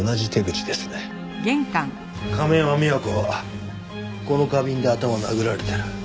亀山美和子はこの花瓶で頭を殴られてる。